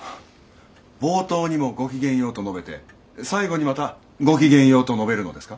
冒頭にも「ごきげんよう」と述べて最後にまた「ごきげんよう」と述べるのですか？